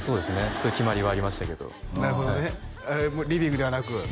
そういう決まりはありましたけどリビングではなく？